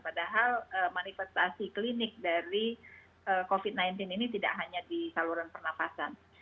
padahal manifestasi klinik dari covid sembilan belas ini tidak hanya di saluran pernafasan